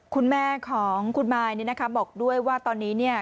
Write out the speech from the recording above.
คุณแม่ของคุณมายเนี่ยนะคะบอกด้วยว่าตอนนี้เนี่ย